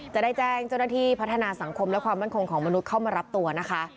จะได้แจ้งเจ้าหน้าที่พัฒนาสังคมและความมั่นคงของมนุษย์เข้ามารับตัวนะคะ